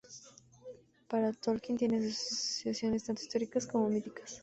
Para Tolkien tiene asociaciones tanto históricas como míticas.